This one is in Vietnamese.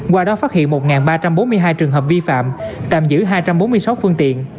qua đó phát hiện một ba trăm bốn mươi hai trường hợp